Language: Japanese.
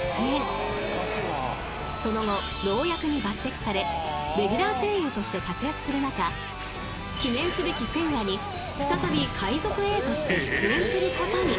［その後ロー役に抜てきされレギュラー声優として活躍する中記念すべき１０００話に再び海賊Ａとして出演することに］